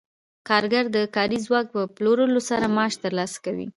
کارګر د کاري ځواک په پلورلو سره معاش ترلاسه کوي